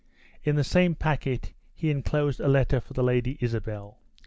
In the same packed he inclosed a letter for the Lady Isabella.